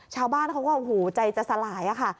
ชาวบ้านเขาก็ว่าหูใจจะสลายอะค่ะ